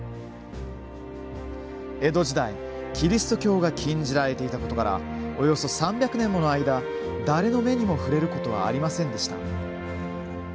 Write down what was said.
江戸時代、キリスト教が禁じられていたことからおよそ３００年もの間誰の目にも触れることはありませんでした。